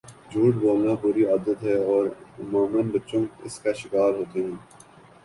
جھوٹ بولنا بُری عادت ہے اور عموماً بچے اس کا شکار ہوجاتے ہیں